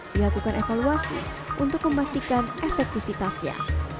dilakukan evaluasi untuk memastikan efektivitasnya